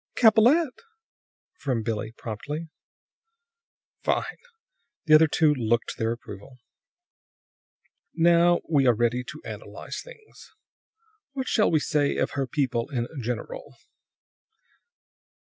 "Capellette," from Billie promptly. "Fine!" The other two looked their approval. "Now, we are ready to analyze things. What shall we say of her people in general?"